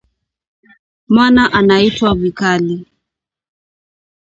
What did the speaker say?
mwana anaitwa vikali